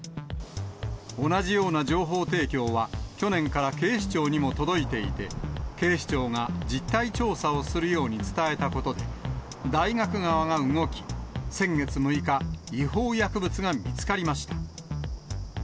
同じような情報提供は、去年から警視庁にも届いていて、警視庁が実態調査をするように伝えたことで、大学側が動き、先月６日、違法薬物が見つかりました。